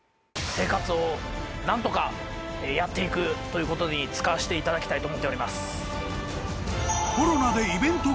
生活を何とかやって行くということに使わせていただきたいと思っております。